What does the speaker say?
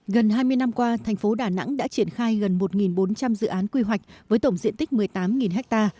gần hai mươi năm qua thành phố đà nẵng đã triển khai gần một bốn trăm linh dự án quy hoạch với tổng diện tích một mươi tám ha